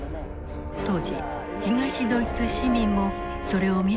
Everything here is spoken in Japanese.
当時東ドイツ市民もそれを見ることができた。